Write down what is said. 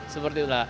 seperti itu lah